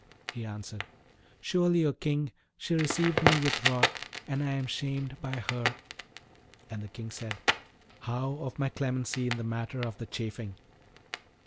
He answered, 'Surely, O King, she received me with wrath, and I am shamed by her.' And the King said, 'How of my clemency in the matter of the chafing?'